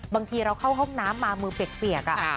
บางทีเราเข้าห้องน้ำมามือเปียก